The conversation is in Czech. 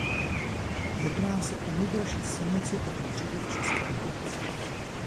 Jedná se o nejdelší silnici první třídy v České republice.